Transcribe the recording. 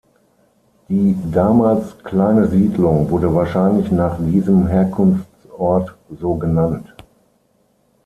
Die damals kleine Siedlung wurde wahrscheinlich nach diesem Herkunftsort so genannt.